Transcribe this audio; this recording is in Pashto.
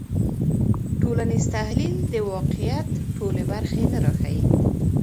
ټولنیز تحلیل د واقعیت ټولې برخې نه راښيي.